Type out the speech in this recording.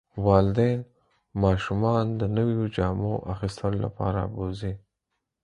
والدین ماشومان د نویو جامو اخیستلو لپاره بوځي.